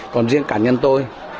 còn riêng cả nhân tôi